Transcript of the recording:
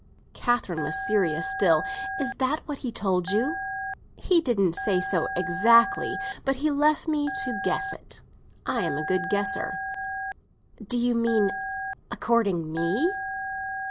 Catherine was serious still. "Is that what he told you!" "He didn't say so exactly. But he left me to guess it. I'm a good guesser." "Do you mean a courting me?"